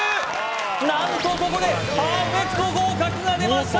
何とここでパーフェクト合格が出ました！